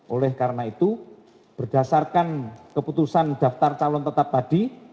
oleh karena itu berdasarkan keputusan daftar calon tetap tadi